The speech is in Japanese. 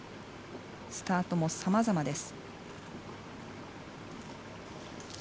スタートもさまざまです。